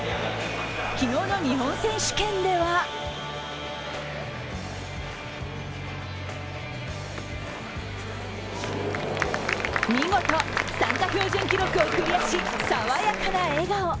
昨日の日本選手権では見事、参加標準記録をクリアし、爽やかな笑顔。